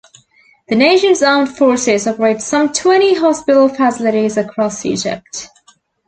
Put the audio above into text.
The nation's armed forces operate some twenty hospital facilities across Egypt.